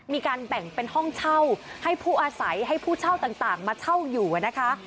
มีการแบ่งเป็นห้องเช่าให้ผู้อาศัยให้ผู้เช่าต่างมาเช่าอยู่นะคะ